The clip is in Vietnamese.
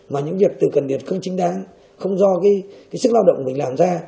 mà những việc từ cần việc không chính đáng không do cái sức lao động mình làm ra